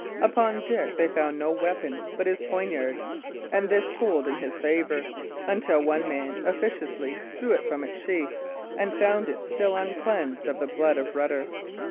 Upon Dick they found no weapon but his poniard, and this told in his favour, until one man officiously drew it from its sheath, and found it still uncleansed of the blood of Rutter.